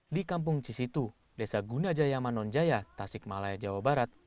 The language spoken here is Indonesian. di kampung cisitu desa gunajaya manonjaya tasikmalaya jawa barat